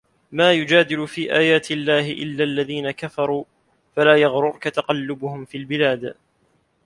ما يُجادِلُ في آياتِ اللَّهِ إِلَّا الَّذينَ كَفَروا فَلا يَغرُركَ تَقَلُّبُهُم فِي البِلادِ